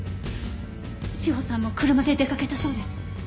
詩帆さんも車で出かけたそうです。